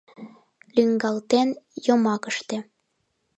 Лӱҥгалтен йомакыште.